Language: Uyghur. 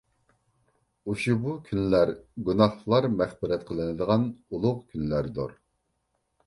ئۇشبۇ كۈنلەر گۇناھلار مەغپىرەت قىلىنىدىغان ئۇلۇغ كۈنلەردۇر.